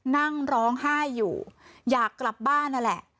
นั่งร้องไห้อยู่อยากกลับบ้านนั่นแหละ